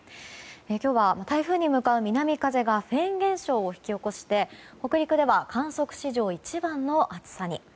今日は台風に向かう南風がフェーン現象を引き起こして北陸では観測史上一番の暑さに。